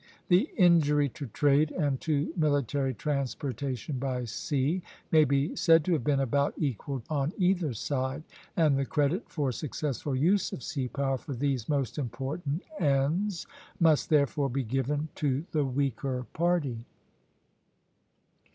The injury to trade and to military transportation by sea may be said to have been about equal on either side; and the credit for successful use of sea power for these most important ends must therefore be given to the weaker party.